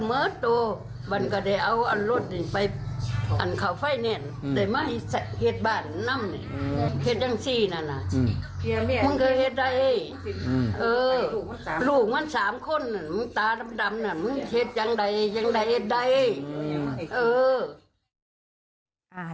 มึงเคยเหตุใดลูกมันสามคนตาดำมึงเหตุอย่างใดเอ่อ